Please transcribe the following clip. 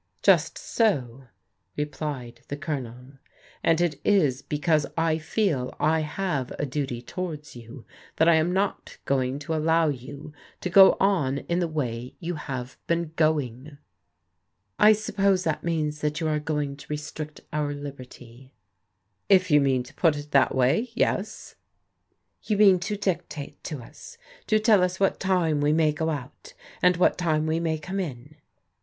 " Just so," replied the Colonel, " and it is because I feel I have a duty towards you that I am not going to allow you to go on in the way you have been going." " I suppose that means that you are going to restrict our liberty?'* THE RIGHT TO *'LIVB THEIR LIVES" 55 If you put it in that way, yes." "You mean to dictate to us, to tell us what time we may go out, and what time we may come in